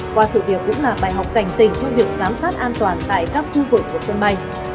qua sự việc cũng là bài học cảnh tỉnh cho việc giám sát an toàn tại các khu vực của sân bay